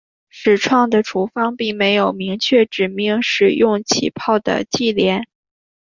始创的处方并没有明确指明使用起泡的忌廉。